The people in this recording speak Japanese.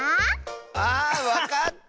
あわかった！